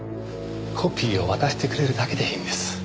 コピーを渡してくれるだけでいいんです。